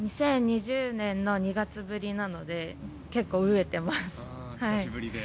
２０２０年２月ぶりなので、結構飢えてます。